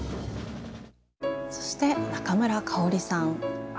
そして中村かおりさん。